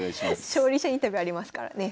勝利者インタビューありますからね。